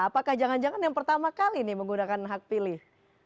apakah jangan jangan yang pertama kali nih menggunakan hak pilih